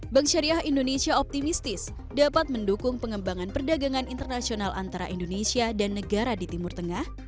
bank syariah indonesia optimistis dapat mendukung pengembangan perdagangan internasional antara indonesia dan negara di timur tengah